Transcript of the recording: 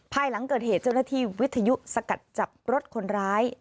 ภายหลังเกิดเหตุเจ้าหน้าที่วิทยุสกัดจับรถคนร้าย